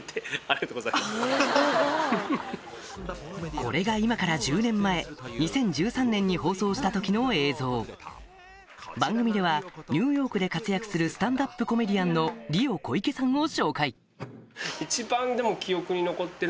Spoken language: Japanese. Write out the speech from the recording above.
これが今から１０年前２０１３年に放送した時の映像番組ではニューヨークで活躍するスタンダップコメディアンのＲＩＯ小池さんを紹介っていう。